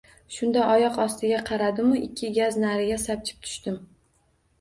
Shunda oyoq ostiga qaradim-u, ikki gaz nariga sapchib tushdim!